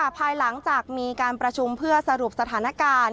ภายหลังจากมีการประชุมเพื่อสรุปสถานการณ์